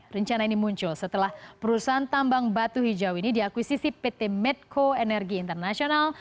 rencana ini muncul setelah perusahaan tambang batu hijau ini diakuisisi pt medco energi internasional